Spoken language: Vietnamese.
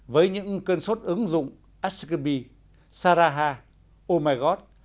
với những cơn suất ứng dụng ask me saraha oh my god